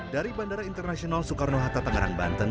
dari bandara internasional soekarno hatta tangerang banten